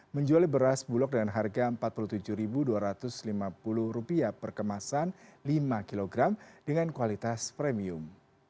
menjual beras bulog dengan harga rp empat puluh tujuh dua ratus lima puluh per kemasan lima kg dengan kualitas premium